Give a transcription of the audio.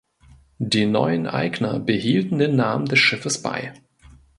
Die neuen Eigner behielten den Namen des Schiffes bei.